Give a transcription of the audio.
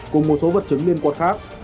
cùng một số vật chứng liên quan khác